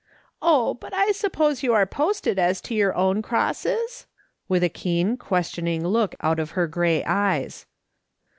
" Oh, but I suppose you are posted as to your own crosses ?" with a keen, questioning look out of her grey eyes.